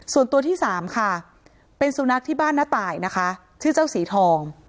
ส่วนตัวที่สามค่ะเป็นสุนัขที่บ้านน้าตายนะคะชื่อเจ้าสีทอง